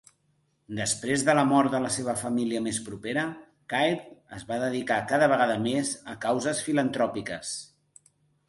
Després de la mort de la seva família més propera, Caird es va dedicar cada vegada més a causes filantròpiques.